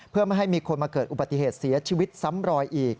เพื่อไม่ให้มีคนมาเกิดอุบัติเหตุเสียชีวิตซ้ำรอยอีก